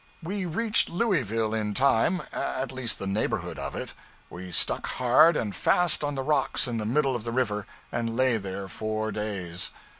We reached Louisville in time at least the neighborhood of it. We stuck hard and fast on the rocks in the middle of the river, and lay there four days.